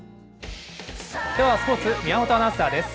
ではスポーツ、宮本アナウンサーです。